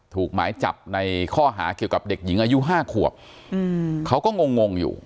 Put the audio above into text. ถูกหมายจับในข้อหาเกี่ยวกับเด็กหญิงอายุ๕ขวบเขาก็งงอยู่